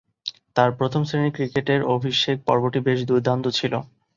তার প্রথম-শ্রেণীর ক্রিকেটের অভিষেক পর্বটি বেশ দূর্দান্ত ছিল।